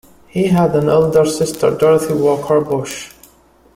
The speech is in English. He had an elder sister, Dorothy Walker Bush.